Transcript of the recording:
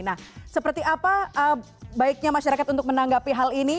nah seperti apa baiknya masyarakat untuk menanggapi hal ini